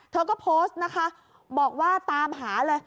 เธอก็โพสต์นะคะบอกว่าตามหาเลย